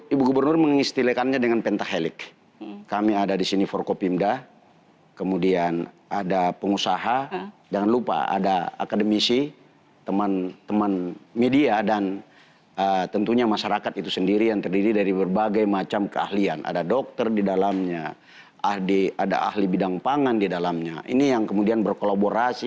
ibu gubernur mengistilikannya dengan pentahelik kami ada di sini forkopimda kemudian ada pengusaha jangan lupa ada akademisi teman teman media dan tentunya masyarakat itu sendiri yang terdiri dari berbagai macam keahlian ada dokter di dalamnya ada ahli bidang pangan di dalamnya ini yang kemudian berkolaborasi